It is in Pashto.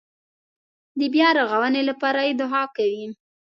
د بیارغونې لپاره یې دعا کوي.